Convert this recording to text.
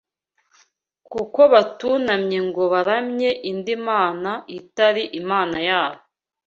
kuko batunamye ngo baramye indi mana itari Imana yabo